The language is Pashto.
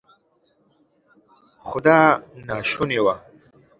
خو دا ناشونې وه.